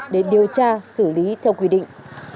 để điều tra xử lý theo quy định